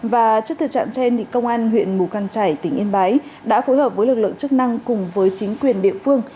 và trước thực trạng trên công an huyện mù căng trải tỉnh yên bái đã phối hợp với lực lượng chức năng cùng với chính quyền địa phương